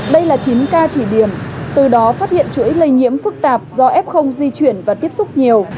đây là chín ca chỉ điểm từ đó phát hiện chuỗi lây nhiễm phức tạp do f di chuyển và tiếp xúc nhiều